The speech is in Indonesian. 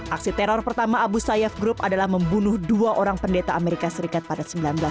aksi teror pertama abu sayyaf group adalah membunuh dua orang pendeta amerika serikat pada seribu sembilan ratus sembilan puluh